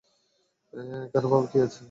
এখানে ভাবার কি আছে?